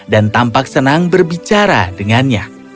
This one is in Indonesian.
dan tampak senang berbicara dengannya